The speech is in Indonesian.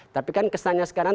tapi kan kesannya sekarang